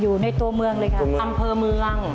อยู่ในตัวเมืองเลยค่ะอำเภอเมือง